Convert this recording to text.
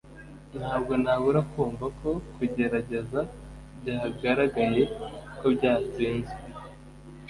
ntabwo nabura kumva ko kugerageza byagaragaye ko byatsinzwe